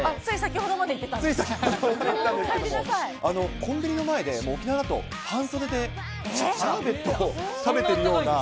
コンビニの前で、沖縄だと半袖でシャーベットを食べているような。